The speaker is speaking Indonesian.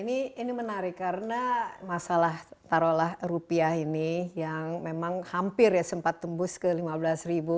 ini menarik karena masalah taruhlah rupiah ini yang memang hampir ya sempat tembus ke lima belas ribu